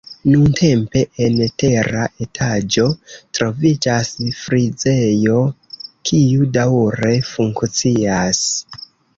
Nuntempe, en tera etaĝo troviĝas frizejo, kiu daŭre funkcias.